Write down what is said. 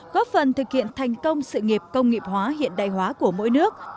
góp phần thực hiện thành công sự nghiệp công nghiệp hóa hiện đại hóa của mỗi nước